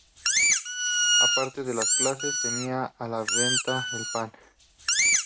Aparte de las clases, tenían a la venta el pan.